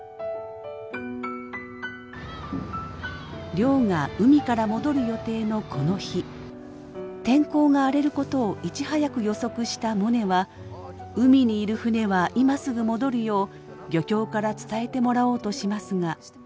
亮が海から戻る予定のこの日天候が荒れることをいち早く予測したモネは海にいる船は今すぐ戻るよう漁協から伝えてもらおうとしますが。